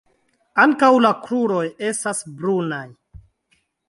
Ankaŭ la kruroj estas brunaj.